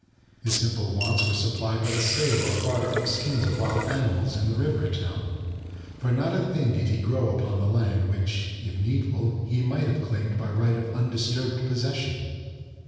His simple wants were supplied by the sale or barter of skins of wild animals in the river town, for not a thing did he grow upon the land which, if needful, he might have claimed by right of undisturbed possession.